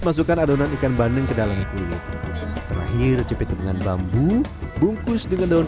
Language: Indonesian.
menutupkan adonan ikan bandeng ke dalam kuyuk terakhir cepet dengan bambu bungkus dengan daun